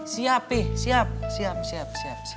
siap be siap siap siap